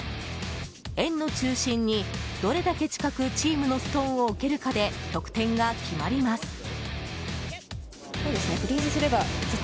円の中心にどれだけ近くチームのストーンを置けるかで得点が決まります。